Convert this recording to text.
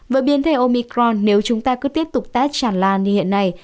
vợ biến thể omicron nếu chúng ta cứ tiếp tục test tràn lan như hiện nay